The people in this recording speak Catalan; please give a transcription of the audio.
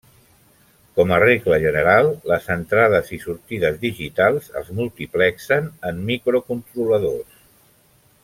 Com a regla general, les entrades i sortides digitals es multiplexen en microcontroladors.